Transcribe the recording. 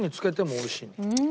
おいしい！